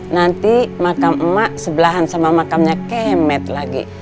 nanti makam emak sebelahan sama makamnya kemet lagi